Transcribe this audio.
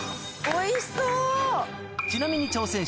おいしそう！